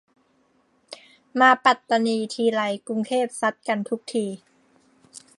มาปัตตานีทีไร กรุงเทพซัดกันทุกที